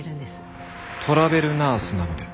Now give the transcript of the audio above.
トラベルナースなので。